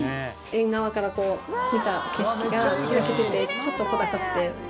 縁側から見た景色が開けててちょっと小高くて。